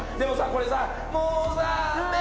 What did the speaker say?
これさもうさ目